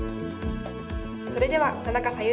それでは田中彩諭